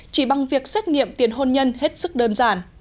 chỉ bằng việc xét nghiệm tiền hôn nhân hết sức đơn giản